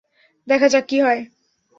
দেখা যাক, কি হয়!